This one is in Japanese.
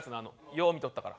よう見とったから。